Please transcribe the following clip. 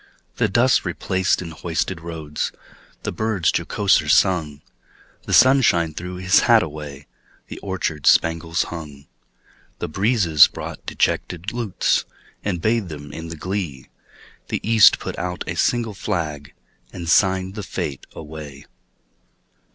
The dust replaced in hoisted roads, The birds jocoser sung; The sunshine threw his hat away, The orchards spangles hung. The breezes brought dejected lutes, And bathed them in the glee; The East put out a single flag, And signed the fete away.